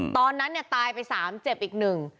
ตอนนั้นเนี่ยตายไปสามเจ็บอีกหนึ่ง